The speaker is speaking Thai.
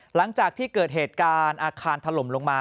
หลังจากที่เกิดเหตุการณ์อาคารถล่มลงมา